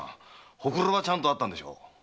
ホクロはちゃんとあったんでしょ。